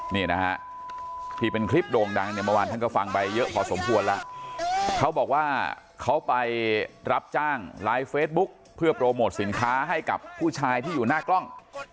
นี่นะฮะที่เป็นคลิปโด่งดังเนี่ยเมื่อวานท่านก็ฟังไปเยอะพอสมควรแล้วเขาบอกว่าเขาไปรับจ้างไลฟ์เฟซบุ๊คเพื่อโปรโมทสินค้าให้กับผู้ชายที่อยู่หน้ากล้อง